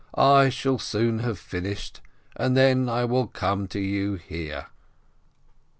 I shall soon have finished, and then I will come to you here."